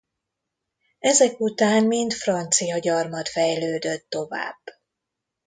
Ezek után mint francia gyarmat fejlődött tovább.